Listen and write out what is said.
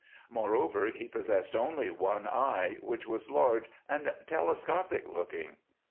Moreover, he possessed only one eye, which was large and telescopic looking."